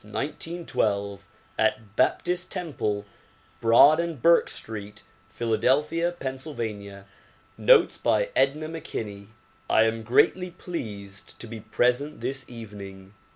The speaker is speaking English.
II June 9, 1912, at Baptist Temple, Broad and Berks Streets, Philadelphia, Pa. Notes by Edna McKinney I AM greatly pleased to be present this evening.